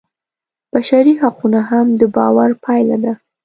بشري حقونه هم د باور پایله ده.